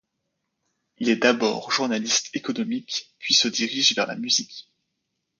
Il est d'abord journaliste économique, puis se dirige vers la musique.